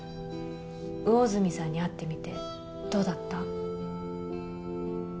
魚住さんに会ってみてどうだった？